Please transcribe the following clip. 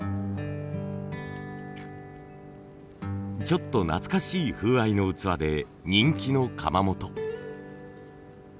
ちょっと懐かしい風合いの器で人気の窯元。